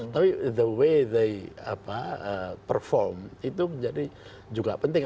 tapi the way the perform itu menjadi juga penting